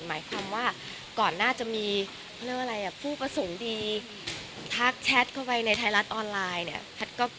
หมายความว่าก่อนหน้าจะมีเรื่องอะไรอ่ะผู้ประสงค์ดีทักแชทเข้าไปในไทยรัฐออนไลน์เนี่ย